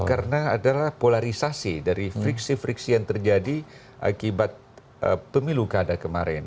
karena adalah polarisasi dari friksi friksi yang terjadi akibat pemilu kada kemarin